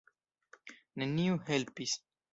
Neniu helpis.